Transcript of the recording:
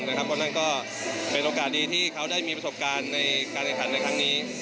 เพราะนั่นก็เป็นโอกาสดีที่เขาได้มีประสบการณ์ในการแข่งขันในครั้งนี้